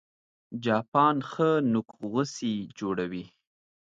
چاپان ښه نوک غوڅي جوړوي